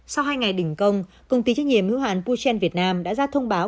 sau hai ngày đỉnh công công ty trách nhiệm hữu hạn pouchen việt nam đã ra thông báo